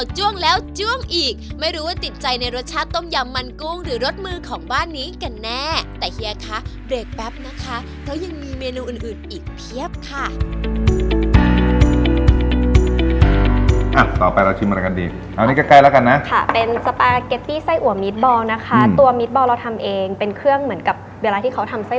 จ้วงแล้วจ้วงอีกไม่รู้ว่าติดใจในรสชาติต้มยำมันกุ้งหรือรสมือของบ้านนี้กันแน่แต่เฮียคะเบรกแป๊บนะคะแล้วยังมีเมนูอื่นอื่นอีกเพียบค่ะอ่ะต่อไปเราชิมอะไรกันดีเอานี่ใกล้ใกล้แล้วกันนะค่ะเป็นสปาเกตตี้ไส้อัวมีดบอลนะคะตัวมีดบอลเราทำเองเป็นเครื่องเหมือนกับเวลาที่เขาทำไส้